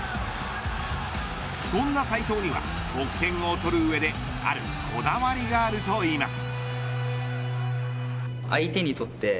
そんな斉藤には得点を取る上であるこだわりがあるといいます。